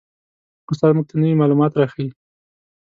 استاد موږ ته نوي معلومات را ښیي